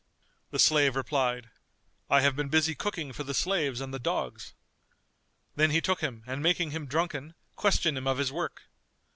The slave replied, "I have been busy cooking for the slaves and the dogs." Then he took him and making him drunken, questioned him of his work.